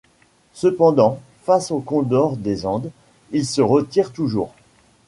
Cependant, face au Condor des Andes, il se retire toujours.